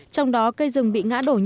trong đó cây rừng bị ngã đổ nhiều